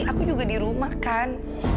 aku juga di rumah kan